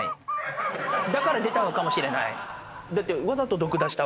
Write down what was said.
だから出たのかもしれない。